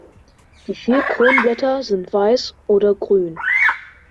Die vier Kronblätter sind weiß oder grün.